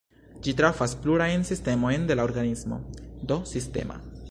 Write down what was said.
Ĝi trafas plurajn sistemojn de la organismo (do "sistema").